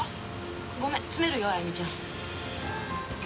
ごめん詰めるよ歩美ちゃん。